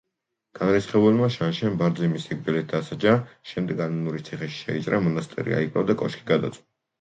განრისხებულმა შანშემ ბარძიმი სიკვდილით დასაჯა, შემდეგ ანანურის ციხეში შეიჭრა, მონასტერი აიკლო და კოშკი გადაწვა.